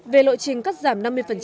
về lội trình cắt giảm năm mươi